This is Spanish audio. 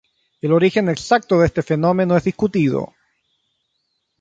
El origen exacto de este fenómeno es discutido.